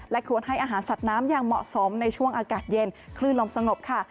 ควรให้อาหารสัตว์น้ำอย่างเหมาะสมในช่วงอากาศเย็นคลื่นลมสงบค่ะ